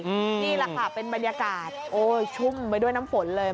นี่แหละค่ะเป็นบรรยากาศโอ้ยชุ่มไปด้วยน้ำฝนเลย